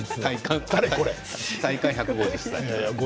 体感１５０歳。